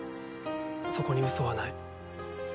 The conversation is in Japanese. そこに嘘はない。